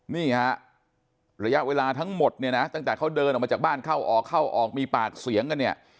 นี่ฮะระยะเวลาทั้งหมดเนี่ยนะตั้งแต่เขาเดินออกมาจากบ้านเข้าออกเข้าออกมีปากเสียงกันเนี่ย